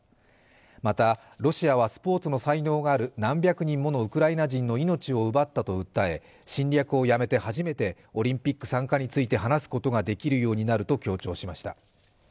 またロシアはスポ−ツの才能がある何百人ものウクライナ人の命を奪ったと訴え侵略をやめて初めてオリンピック参加について話すことができるようになると強調しました。